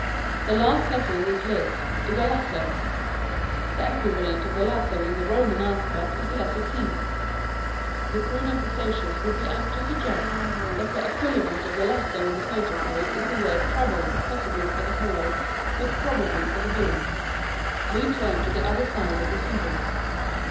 The last letter in this list is a lasso. The equivalent of the lasso in the Roman alphabet is the letter T. The crude and facetious would be apt to suggest that the equivalent of the lasso in the photoplay is the word trouble, possibly for the hero, but probably for the villain. We turn to the other side of the symbol.